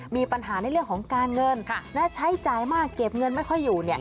มีปัญหาในเรื่องของการเงินใช้จ่ายมากเก็บเงินไม่ค่อยอยู่